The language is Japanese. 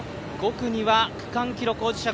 ５区には区間記録保持者